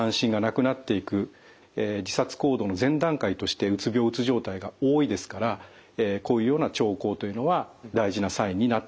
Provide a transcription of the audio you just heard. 自殺行動の前段階としてうつ病うつ状態が多いですからこういうような兆候というのは大事なサインになってきます。